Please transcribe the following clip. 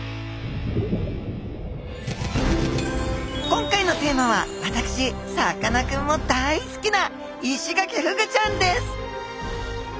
今回のテーマは私さかなクンも大好きなイシガキフグちゃんです！